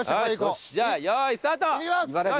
じゃあ用意スタート！